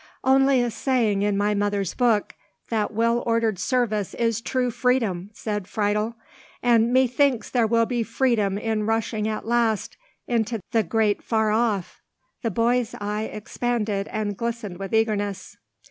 "Only a saying in my mother's book, that well ordered service is true freedom," said Friedel. "And methinks there will be freedom in rushing at last into the great far off!"—the boy's eye expanded and glistened with eagerness.